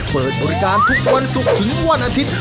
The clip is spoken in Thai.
เปิดบริการทุกวันศุกร์ถึงวันอาทิตย์